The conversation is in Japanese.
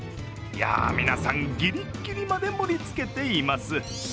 皆さん、ギリギリまで盛りつけています。